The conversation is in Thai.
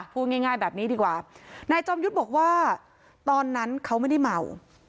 พูดง่ายแบบนี้ดีกว่านายจอมยุทธบอกว่าตอนนั้นเขาไม่ได้เมา